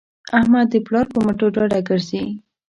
احمد د پلار په مټو ډاډه ګرځي.